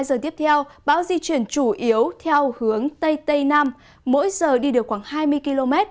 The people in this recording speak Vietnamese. trong bốn mươi tám đến bảy mươi hai giờ tiếp theo bão di chuyển chủ yếu theo hướng tây tây nam mỗi giờ đi được khoảng hai mươi km